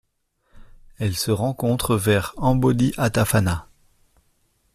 Elle se rencontre vers Ambodihatafana.